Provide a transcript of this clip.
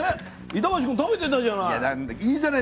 板橋君食べてたじゃない。